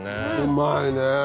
うまいね。